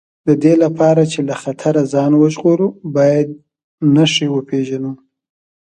د دې لپاره چې له خطره ځان وژغورو باید نښې وپېژنو.